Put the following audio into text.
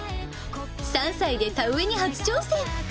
３歳で田植えに初挑戦。